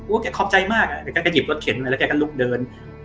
แกขอบใจมากอ่ะแกก็หยิบรถเข็นมาแล้วแกก็ลุกเดิน